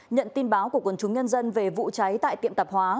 nhận tin báo của quần chúng nhân dân về vụ cháy tại tiệm tạp hóa